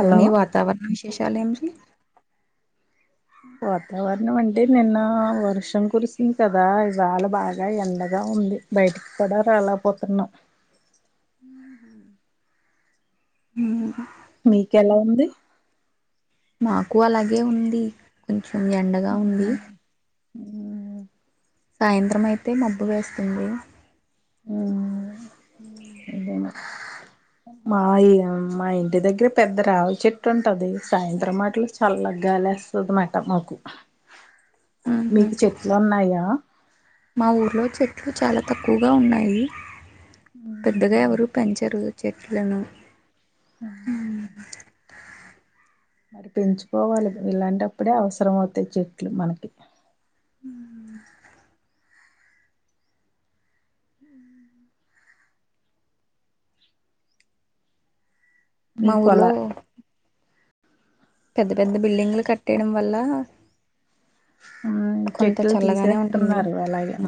అ మీ వాతావరణ విశేషాలు ఏమిటి ఓ వాతావరణం అంటే నిన్న వర్షం కురిసింది కదా ఇవాళ బాగా ఎండగా ఉంది బయ పడా రాల పోతున్నా ఊ మీకెలా ఉంది మాకు అలాగే ఉంది కొంచెం ఎండగా ఉంది సాయంత్రం అయ్యిపొయింధి అప్పుడే మాయా నా అమ్మాయి ఇది అయితే పెద్దరావి చెట్టు ఉంటది సాయంత్రం మాటలు చల్లగాలేస్తది మామాట మాకు మీకు చెట్లు ఉన్నాయా మా ఊర్లో చె చాలా తక్కువగా ఉన్నాయి పెద్దగా ఎవరు పెంచరు చెట్లను ఉ హు మరి పెంచుకోవాలి ఇలాంటప్పుడే అవసరం అవుతాయి చెట్లు మనకి మీ మా ఊర్లో పొలా పెద్ద పెద్ద బిల్డింగ్లు కట్టేయడం వల్ల కొంత చెట్లు చల్లగానే ఉంటుంది [inaudible] తీసేస్తున్నారు అలాగే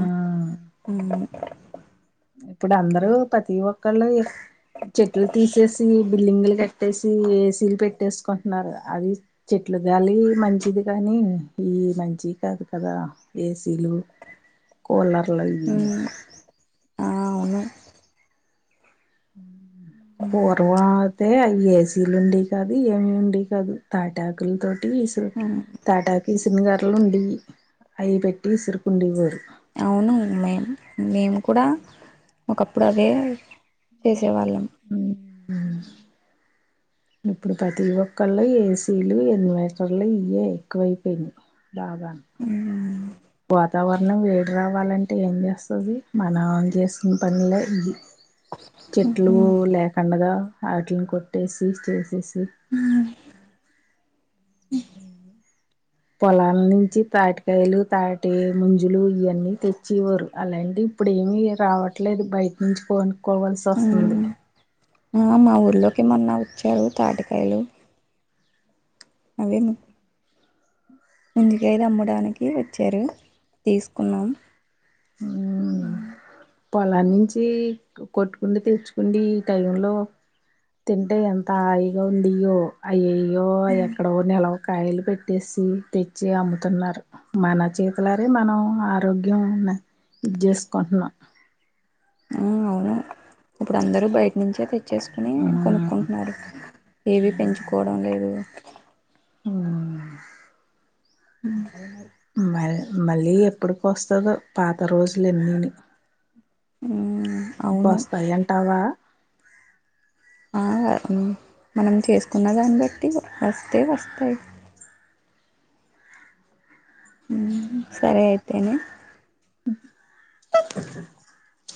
ఇప్పుడు అందరూ ప్రతి ఒక్కళ్ళు చెట్లు తీసేసి బిల్డింగ్లు కట్టేసి ఏసి పెట్టేసుకుంటున్నారు అది చెట్లు గాలి మంచిది కానీ ఈ మంచి కాదు కదా ఏసీలు కూలర్లు అవి ఆ ఆవును పూర్వ అయితే అ ఏసీలు ఉండే కాది ఏమి ఉండే కాదు తాటాకుల తో ట్సు తాటాకిసనగరలు ఉండి అవి పెట్టి విసురు అవును మేమ్ మేము కూడా ఒకప్పుడు అదే చేసేవాళ్ళం ఇప్పుడు ప్రతి ఒక్కళ్ళు ఏసీలు ఇన్వర్టర్లు ఇయే ఎక్కువైపోయింది బాగా వాతావరణం వేడి రావాలంటే ఏం చేస్తుది మన చేసిన పనేగా ఇది చెట్లు లేకండగ ఆట్లిని కొట్టేసి చేసేసి ఉ పొలాల నుంచి తాటికాయలు తాటి ముంజులు ఇవన్నీ తెచ్చి ఇవ్వరు అలాంటి ఇప్పుడు ఏమిీ రావట్లేదు బయట నుంచి పోనికి కోవలసి వస్తుంది ఆ మా ఊర్లోకిమన్నా వచ్చాయి తాటికాయలు అవే ముందుకైది అమ్మడానికి వచ్చారు తీసుకున్నాము.. ఆ పొలా నుంచి కొట్టుకుండి తెచ్చుకుండి ఈ టై లో తింటే ఎంత హాయిగా ఉందియ్యో అయయ్యో ఎక్కడో నిల కాయలు పెట్టేసి తెచ్చి అమ్ముతున్నారు మన చేతులరే మనం ఆరోగ్యం ఇది చేసుకుంటున్నాం ఆ అవును ఇప్పుడు అందరూ బయట నుంచే తెచ్చ చేసుకుని ఉమ్, కొనుక్కుంటున్నారు ఏవి పెంచుకోవడం లేదు ఉమ్. మ మళ్ళీ ఎప్పడికి వస్త దో పాత రోజులున్ని ఉ వస్తాయి ఎంటావా ఆ మనం చేసుకున్న దాన్ని బట్టి వస్తే వస్తాయి సరె అయితేనే [unintelligible]